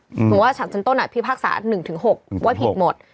สมมุติว่าสารชั้นต้นพิพากษา๑๖ว่าผิดหมด